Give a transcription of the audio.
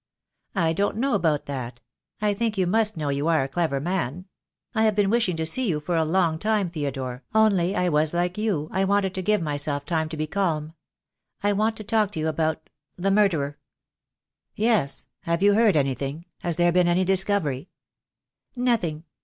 "I don't know about that. I think you must know I56 THE DAY WILL COME. you are a clever man. I have been wishing to see you for a long time, Theodore, only I was like you, I wanted to give myself time to be calm. I want to talk to you about — the murderer." "Yes. Have you heard anything? Has there been any discovery?" "Nothing.